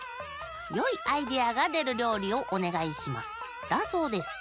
「よいアイデアがでるりょうりをおねがいします」だそうです。